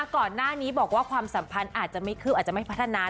ก่อนหน้านี้บอกว่าความสัมพันธ์อาจจะไม่คืบอาจจะไม่พัฒนา